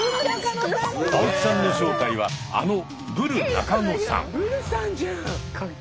青木さんの正体はあのブル中野さん。